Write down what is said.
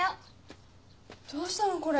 どうしたのこれ？